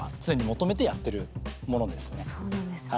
そうなんですか。